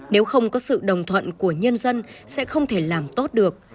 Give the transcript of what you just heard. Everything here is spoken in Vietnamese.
nếu không có sự đồng thuận của nhân dân sẽ không thể làm tốt được